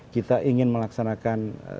kita ingin melaksanakan simplifikasi teknologi